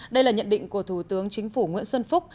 đây là nhận định của thủ tướng chính phủ nguyễn xuân phúc